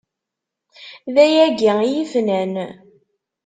D ayagi i yi-fnan!